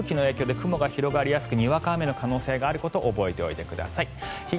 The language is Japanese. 湿った空気の影響で雲が広がりやすくにわか雨の可能性があることを覚えておいてください。